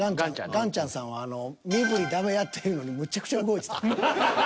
岩ちゃんさんはあの身振りダメやっていうのにむちゃくちゃ動いてた。